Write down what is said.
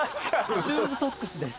ルーズソックスです。